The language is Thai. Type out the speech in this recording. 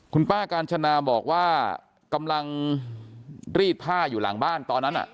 คุณป้ากาญจนาบอกว่ากำลังรีดผ้าอยู่หลังบ้านตอนนั้น